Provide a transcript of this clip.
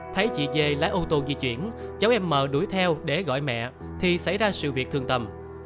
thấy chị dê lái ô tô di chuyển cháu em mở đuổi theo để gọi mẹ thì xảy ra sự việc thương tâm